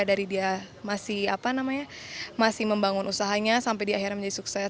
dari dia masih apa namanya masih membangun usahanya sampai di akhirnya menjadi sukses